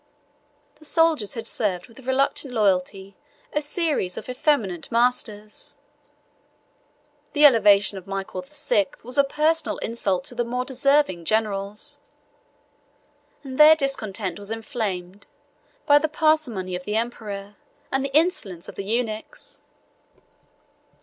The soldiers had served with reluctant loyalty a series of effeminate masters; the elevation of Michael the Sixth was a personal insult to the more deserving generals; and their discontent was inflamed by the parsimony of the emperor and the insolence of the eunuchs.